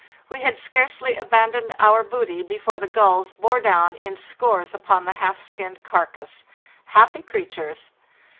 We had scarcely abandoned our booty before the gulls bore down in scores upon the half skinned carcass. Happy creat ures!